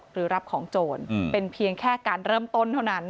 หรือรับของโจรเป็นเพียงแค่การเริ่มต้นเท่านั้น